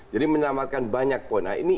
jadi menamatkan banyak poin